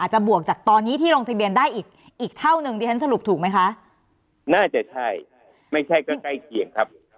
บวกจากตอนนี้ที่ลงทะเบียนได้อีกอีกเท่านึงดิฉันสรุปถูกไหมคะน่าจะใช่ไม่ใช่ก็ใกล้เคียงครับ